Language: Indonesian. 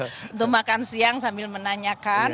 untuk makan siang sambil menanyakan